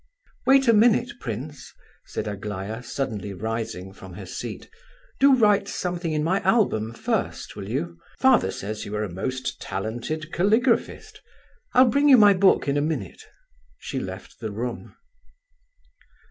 "Wait a minute, prince," said Aglaya, suddenly rising from her seat, "do write something in my album first, will you? Father says you are a most talented caligraphist; I'll bring you my book in a minute." She left the room.